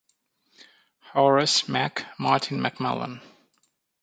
Horace "Mac" Martin McMullen.